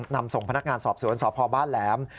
นำส่งพนักงานสอบสวนสพบ้านแหลม